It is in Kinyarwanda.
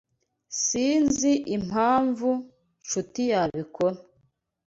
Sinzi impamvu Nshuti yabikora.